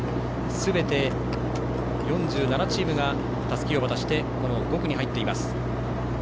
すべて、４７チームがたすきを渡して５区に入りました。